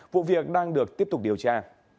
vụ việc đang được tiếp tục điều tra